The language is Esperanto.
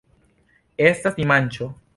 Estas dimanĉo.